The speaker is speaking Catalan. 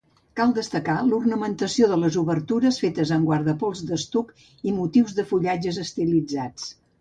Cal destacar l'ornamentació de les obertures fetes amb guardapols d'estuc i motius de fullatges estilitzats.